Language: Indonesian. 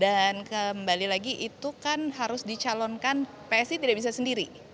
dan kembali lagi itu kan harus dicalonkan psi tidak bisa sendiri